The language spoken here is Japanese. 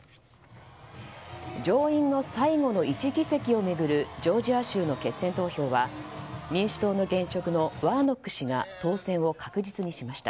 上院の最後の１議席を巡るジョージア州の決選投票は民主党の現職のワーノック氏が当選を確実にしました。